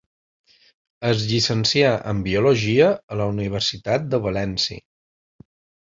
Es llicencià en biologia a la Universitat de València.